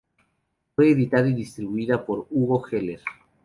Fue editada y distribuida por Hugo Heller.